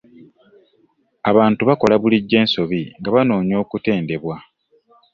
Abantu bakola bulijjo ensobi nga banoonya okutendebwa.